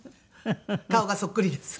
顔がそっくりです。